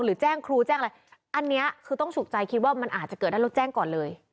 แจ้งครูแจ้งอะไรอันนี้คือต้องฉุกใจคิดว่ามันอาจจะเกิดได้แล้วแจ้งก่อนเลย